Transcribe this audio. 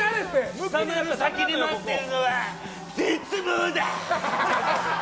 貴様の先に待ってるのは絶望だ。